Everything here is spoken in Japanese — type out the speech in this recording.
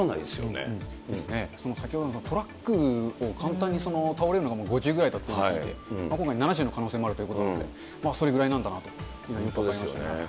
先ほどのトラックを簡単に倒れるのが５０ぐらいで、今回、７０の可能性もあるということで、それぐらいなんだなと分かりましたね。